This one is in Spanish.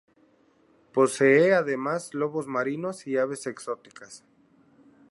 Posee además lobos marinos y aves exóticas.